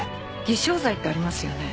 「偽証罪ってありますよね？